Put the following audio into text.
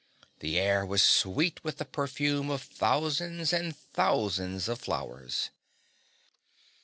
The air was sweet with the perfume of thousands and thousands of flowers.